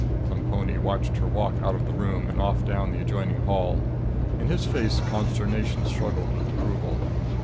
Plemponi watched her walk out of the room and off down the adjoining hall. In his face consternation struggled with approval.